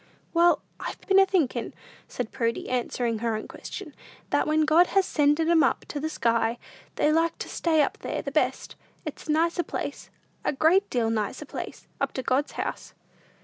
"Well, I've been a thinkin'," said Prudy, answering her own question, "that when God has sended 'em up to the sky, they like to stay up there the best. It's a nicer place, a great deal nicer place, up to God's house."